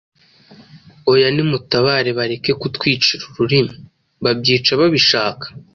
Oya nimutabare bareke kutwicira ururimi, babyica babishaka